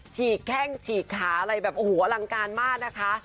ฉีกแค่งฉีกขาอะไรแบบโหวอลังการมากนะคะ